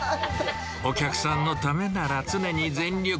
お客さんのためなら、常に全力。